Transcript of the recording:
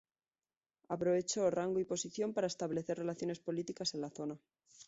Aprovechó rango y posición para establecer relaciones políticas en la zona.